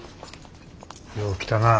よう来たな。